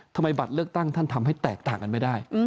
บัตรเลือกตั้งท่านทำให้แตกต่างกันไม่ได้